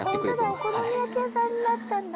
お好み焼き屋さんになったんだ。